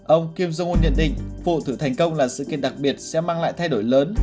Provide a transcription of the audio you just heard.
ông kim jong un nhận định phủ thử thành công là sự kiện đặc biệt sẽ mang lại thay đổi lớn